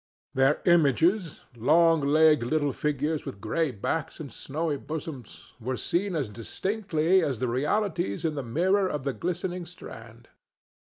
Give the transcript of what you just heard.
Their images—long legged little figures with gray backs and snowy bosoms—were seen as distinctly as the realities in the mirror of the glistening strand.